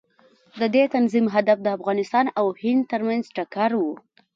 د دې تنظیم هدف د افغانستان او هند ترمنځ ټکر و.